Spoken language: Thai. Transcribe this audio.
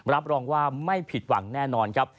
รับรองว่าไม่ผิดหวังแน่นอนครับ